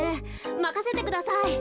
まかせてください。